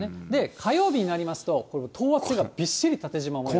火曜日になりますと、今度等圧線がびっしり縦じま模様。